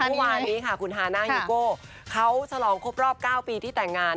เมื่อวานนี้ค่ะคุณฮาน่าฮิโก้เขาฉลองครบรอบ๙ปีที่แต่งงาน